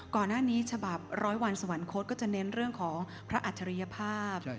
ก่อนหน้านี้ฉบับร้อยวันสวรรค์โค้ดก็จะเน้นเรื่องของพระอัธิรยภาพ